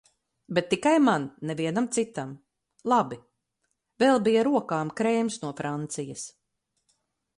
Bet tikai man, nevienam citam. Labi. Vēl bija rokām krēms no Francijas.